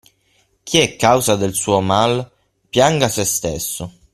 Chi è causa del suo mal, pianga se stesso.